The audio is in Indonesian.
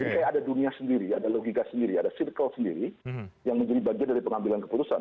jadi ada dunia sendiri ada logika sendiri ada circle sendiri yang menjadi bagian dari pengambilan keputusan